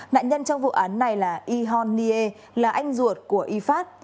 nạn nhân trong vụ án này là yihon nye là anh ruột của yifat